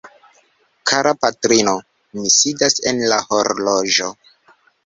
Kara patrino, mi sidas en la horloĝo.